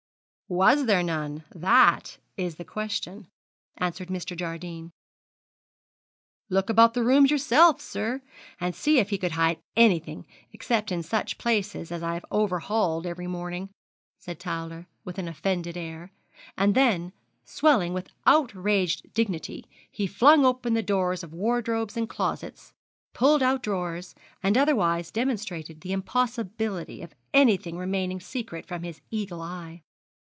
'Was there none? that is the question!' answered Mr. Jardine. 'Look about the rooms yourself, sir, and see if he could hide anything, except in such places as I've overhauled every morning,' said Towler, with an offended air; and then, swelling with outraged dignity, he flung open doors of wardrobes and closets, pulled out drawers, and otherwise demonstrated the impossibility of anything remaining secret from his eagle eye.